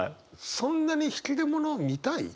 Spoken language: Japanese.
そんなに引出物見たい？